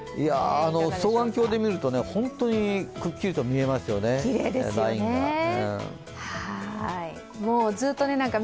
双眼鏡で見ると本当にくっきりと見えますよね、ラインが。